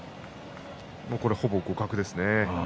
これは、ほぼ互角ですね。